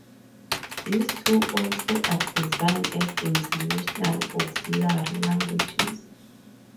These two also are designed as international auxiliary languages.